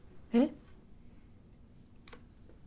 えっ？